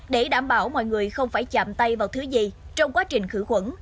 để đảm bảo mọi người không phải chạm tay vào thứ gì trong quá trình khử khuẩn